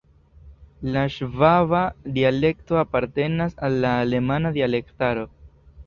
La ŝvaba dialekto apartenas al la alemana dialektaro.